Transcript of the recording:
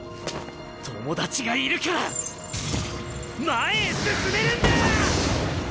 友達がいるから前へ進めるんだ！